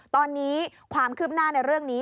ตอนนี้ความคืบหน้าในเรื่องนี้